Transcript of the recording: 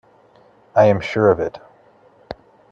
I am sure of it.